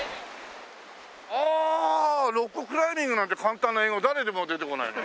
ああロッククライミングなんて簡単な英語誰も出てこないね。